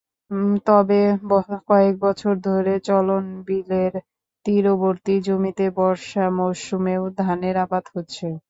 তবে কয়েক বছর ধরে চলনবিলের তীরবর্তী জমিতে বর্ষা মৌসুমেও ধানের আবাদ হচ্ছে।